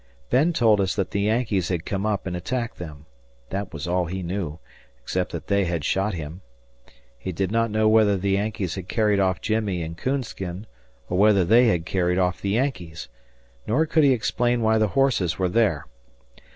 Ben told us that the Yankees had come up and attacked them; that was all he knew, except that they had shot him. He did not know whether the Yankees had carried off Jimmie and "Coonskin", or whether they had carried off the Yankees, nor could he explain why the horses were there.